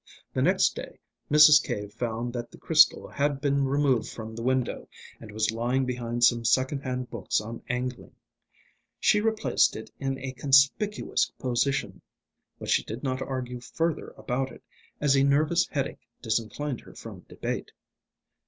The next day Mrs. Cave found that the crystal had been removed from the window, and was lying behind some second hand books on angling. She replaced it in a conspicuous position. But she did not argue further about it, as a nervous headache disinclined her from debate.